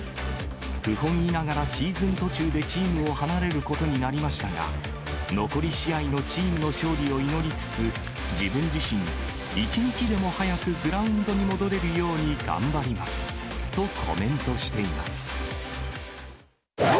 不本意ながらシーズン途中でチームを離れることになりましたが、残り試合のチームの勝利を祈りつつ、自分自身、一日でも早くグラウンドに戻れるように頑張りますとコメントしています。